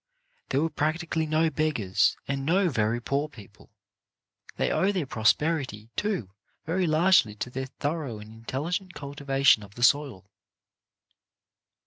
There were practically no beggars and no very poor people. They owe their prosperity, too, very largely to their thorough and intelligent cultivation of the soil.